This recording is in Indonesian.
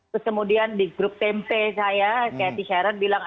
terus kemudian di grup tempe saya cathy sharon bilang